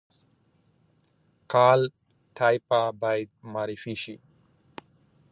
کالтура باید معرفي شي